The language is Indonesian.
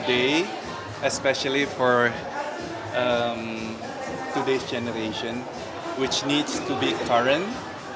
terutama untuk generasi hari ini yang perlu berada di masa sekarang